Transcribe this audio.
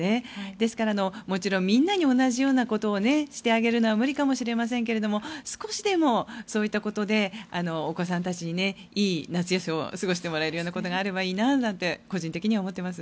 ですから、もちろんみんなに同じようなことをしてあげるのは無理かもしれませんが少しでもそういったことでお子さんたちにいい夏休みを過ごしてもらえることがあればいいななんて個人的に思っています。